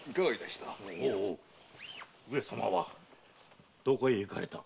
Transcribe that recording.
おぉ上様はどこへ行かれた？